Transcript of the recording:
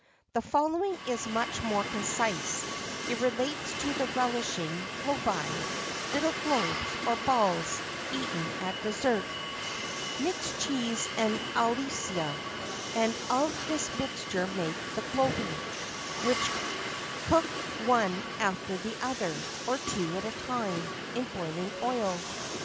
The following is much more concise; it relates to the relishing Globi, little globes, or balls, eaten at dessert: Mix cheese and alica, and of this mixture make the globi, which cook one after the other, or two at a time, in boiling oil.